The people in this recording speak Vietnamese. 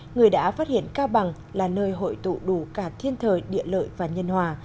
người đã phát hiện cao bằng là nơi hội tụ đủ cả thiên thời địa lợi và nhân hòa